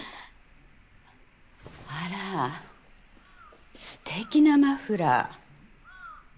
あらステキなマフラー。